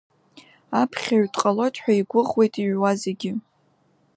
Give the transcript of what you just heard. Аԥхьаҩ дҟалоит ҳәа игәыӷуеит иҩуа зегьы.